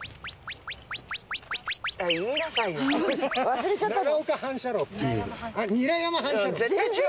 忘れちゃったの？